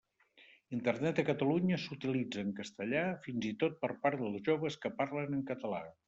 Internet a Catalunya s'utilitza en castellà, fins i tot per part dels joves que parlen en català.